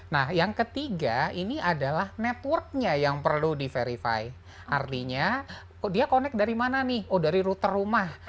nah yang ketiga ini adalah networknya yang perlu di verify artinya dia connect dari mana nih oh dari router rumah